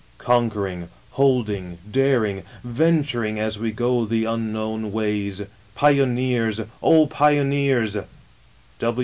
"Conquering, holding, daring, ventur ing, as we go the unknown \vays, Pioneers, O Pioneers